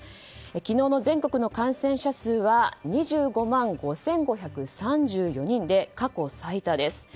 昨日の全国の感染者数は２５万５５３４人で過去最多です。